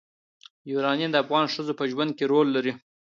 یورانیم د افغان ښځو په ژوند کې رول لري.